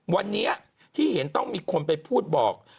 วันนี้ที่เห็นต้องมีคนไปพูดบอก